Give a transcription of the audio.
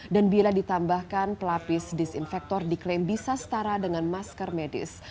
dan bila ditambahkan pelapis disinfektor diklaim bisa setara dengan masker medis